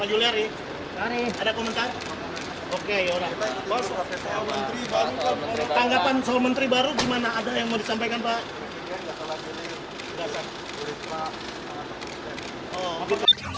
pak juliari ada komentar oke yaudah tanggapan soal menteri baru gimana ada yang mau disampaikan pak